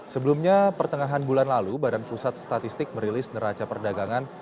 sebelumnya pertengahan bulan lalu badan pusat statistik merilis neraca perdagangan